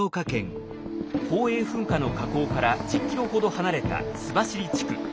宝永噴火の火口から１０ｋｍほど離れた須走地区。